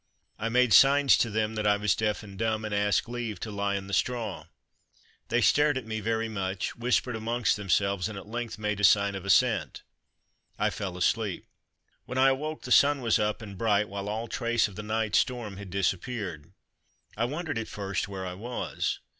I made signs to them that I was deaf and dumb, and asked leave to lie in the straw. They stared at me very much, whispered amongst themselves, and at length, made a sign of assent. I fell asleep. When I awoke the sun was up and bright, while all trace of the night storm had disappeared. I wondered at first where I was.